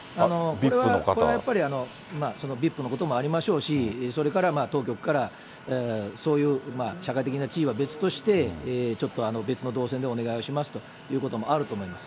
それはやっぱりＶＩＰのこともありましょうし、それから当局から、そういう社会的な地位は別として、ちょっと別の動線でお願いをしますということもあると思います。